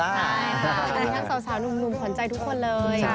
ใช่สาวหนุ่มขนใจทุกคนเลย